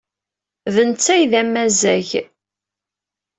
D netta ay d amazzag.